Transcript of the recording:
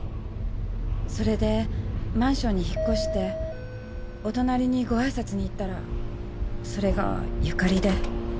それでマンションに引っ越してお隣にごあいさつに行ったらそれが由佳里で。